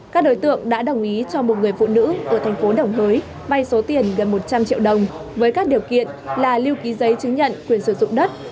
các đối tượng đã đồng ý cho một người phụ nữ ở thành phố đồng hới bay số tiền gần một trăm linh triệu đồng với các điều kiện là lưu ký giấy chứng nhận quyền sử dụng đất